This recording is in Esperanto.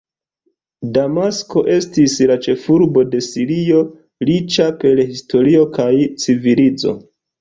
Damasko estis la ĉefurbo de Sirio, riĉa per historio kaj civilizo.